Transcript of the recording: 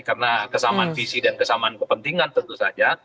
karena kesamaan visi dan kesamaan kepentingan tentu saja